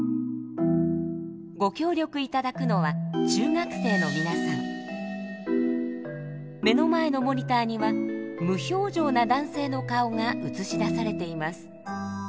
ご協力頂くのは目の前のモニターには無表情な男性の顔が映し出されています。